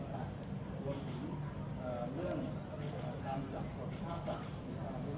แต่ว่าจะเอ่อเรื่องแบบทีนี้